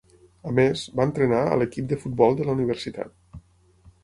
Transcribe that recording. A més, va entrenar a l'equip de futbol de la universitat.